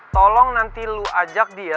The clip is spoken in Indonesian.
tolong nanti lu ajak dia